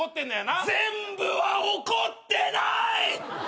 全部は怒ってない！